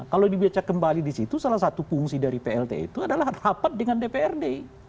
kalau dibaca kembali di situ salah satu fungsi dari plt itu adalah rapat dengan dprd